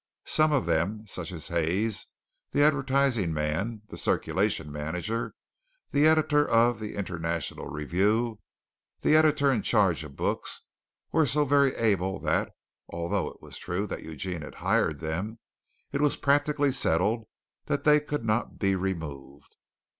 Some of them, such as Hayes, the advertising man, the circulation manager, the editor of the International Review, the editor in charge of books, were so very able that, although it was true that Eugene had hired them it was practically settled that they could not be removed.